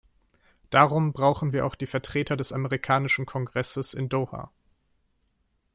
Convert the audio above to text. Darum brauchen wir auch die Vertreter des amerikanischen Kongresses in Doha.